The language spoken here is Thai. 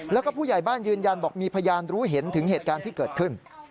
แล้วก็ผู้ใหญ่บ้านยืนยันบอกมีพยานรู้เห็นถึงเหตุการณ์ที่เกิดขึ้น